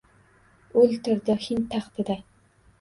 O’ltirdi Hind taxtida.